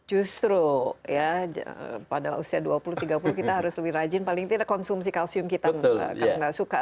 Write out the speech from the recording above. justru ya pada usia dua puluh tiga puluh kita harus lebih rajin paling tidak konsumsi kalsium kita kalau nggak suka